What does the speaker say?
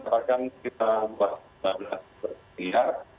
dan kalau ini kita mengerjakan sekitar lima belas triliun